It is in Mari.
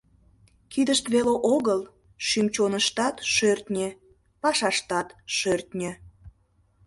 Кидышт веле огыл — шӱм-чоныштат шӧртньӧ, пашаштат шӧртньӧ.